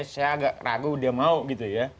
saya agak ragu dia mau gitu ya